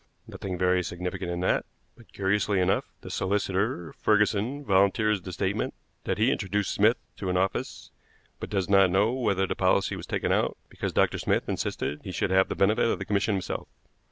Nothing very significant in that; but, curiously enough, the solicitor, Ferguson, volunteers the statement that he introduced Smith to an office, but does not know whether the policy was taken out, because Dr. Smith insisted he should have the benefit of the commission himself.